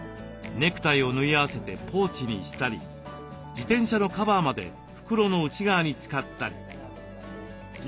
ネクタイを縫い合わせてポーチにしたり自転車のカバーまで袋の内側に使ったり。